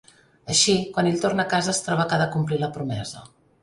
Així, quan ell torna a casa es troba que ha de complir la promesa.